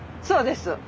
そうです。